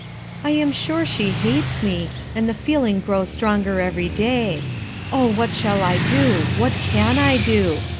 "j am sure she hates me, and the feeling grows stronger every day. Oh, what shall I do? what can I do